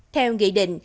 theo nghị định